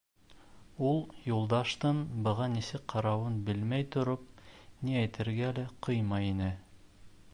Ул, Юлдаштың быға нисек ҡарауын белмәй тороп, ни әйтергә лә ҡыймай ине.